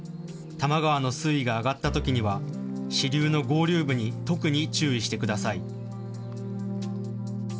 多摩川の水位が上がったときには支流の合流部に特に注意してください。